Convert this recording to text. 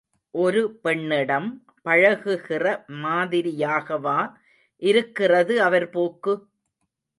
ஒரு பெண்ணிடம் பழகுகிற மாதிரியாகவா இருக்கிறது அவர் போக்கு?